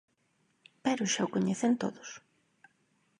Pero xa o coñecen todos.